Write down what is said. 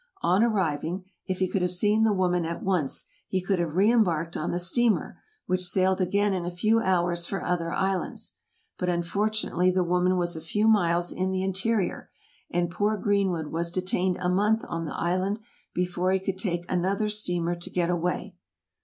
On arriving, if he could have seen the woman at once, he could have re embarked on the steamer, which sailed again in a few hours for other islands; but unfortunately, the woman was a few miles in the interior, and poor Greenwood was detained a month on the island before he could take another steamer to get away.